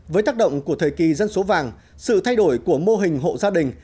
với tác động của thời kỳ dân số vàng sự thay đổi của mô hình hộ gia đình